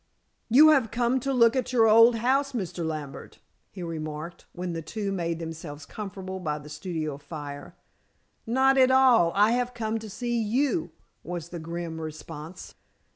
"You have come to look at your old house, Mr. Lambert," he remarked, when the two made themselves comfortable by the studio fire. "Not at all. I have come to see you," was the grim response.